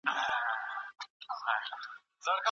موږ باید ځوانان د انټرنیټ سم کارولو ته وهڅوو.